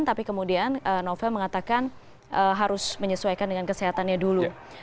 tapi kemudian novel mengatakan harus menyesuaikan dengan kesehatannya dulu